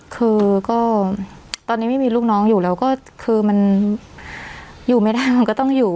คือก็ตอนนี้ไม่มีลูกน้องอยู่แล้วก็คือมันอยู่ไม่ได้มันก็ต้องอยู่